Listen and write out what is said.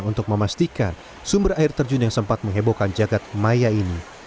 untuk memastikan sumber air terjun yang sempat menghebohkan jagad maya ini